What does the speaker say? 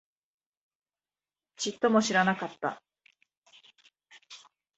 ちっとも知らなかった